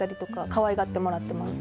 可愛がってもらってます。